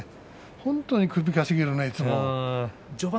本当に首をかしげるね、いつも。